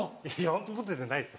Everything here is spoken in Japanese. ホントモテてないです